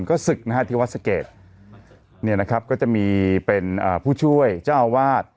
ก็ศึกนะฮะที่วัดสะเกดเนี่ยนะครับก็จะมีเป็นผู้ช่วยเจ้าอาวาส